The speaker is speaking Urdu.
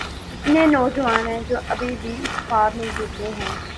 کتنے نوجوان ہیں جو آج بھی اسی خواب میں جیتے ہیں۔